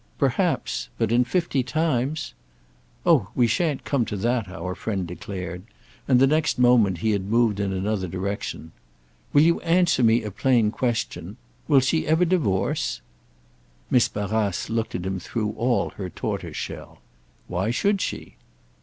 "Perhaps. But in fifty times—!" "Oh we shan't come to that," our friend declared; and the next moment he had moved in another direction. "Will you answer me a plain question? Will she ever divorce?" Miss Barrace looked at him through all her tortoise shell. "Why should she?"